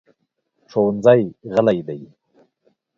ښوونځی غلی دی.